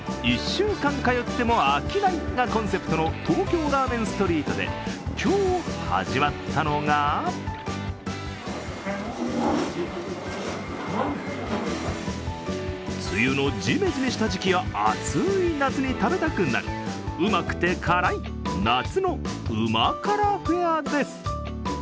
「１週間通っても飽きない」がコンセプトの東京ラーメンストリートで今日始まったのが梅雨のジメジメした時期や暑い夏に食べたくなるうまくて辛い、夏の旨辛フェアです